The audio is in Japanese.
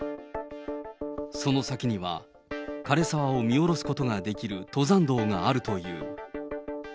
その先には、枯れ沢を見下ろすことができる登山道があるという。